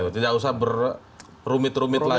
tidak usah berumit rumit lagi